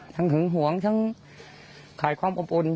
หึงหวงทั้งขายความอบอุ่น